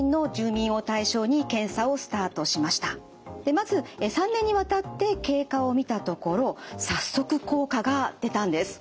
まず３年にわたって経過を見たところ早速効果が出たんです。